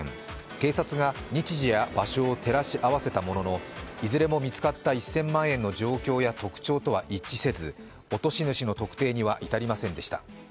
警察が日時や場所を照らし合わせたもののいずれも見つかった１０００万円の状況や特徴とは一致せず、落とし主の特定には至りませんでした。